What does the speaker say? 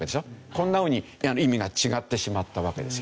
こんな風に意味が違ってしまったわけですよね。